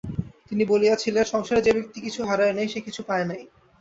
তিনি বলিয়াছিলেন, সংসারে যে ব্যক্তি কিছু হারায় নাই সে কিছু পায় নাই।